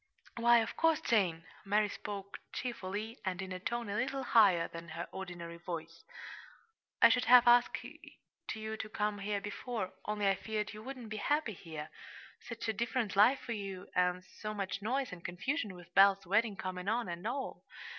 "Why, of course, Jane!" Mary spoke cheerfully, and in a tone a little higher than her ordinary voice. "I should have asked you to come here before, only I feared you wouldn't be happy here such a different life for you, and so much noise and confusion with Belle's wedding coming on, and all!"